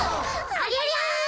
ありゃりゃ？